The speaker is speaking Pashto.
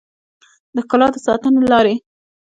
د ښکلا د ساتنې لارې